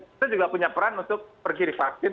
kita juga punya peran untuk pergi di vaksin